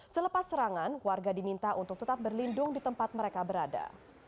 selepas serangan warga diminta untuk tetap berlindung di tempat mereka berada